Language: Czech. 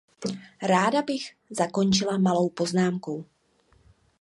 Ráda bych zakončila malou poznámkou.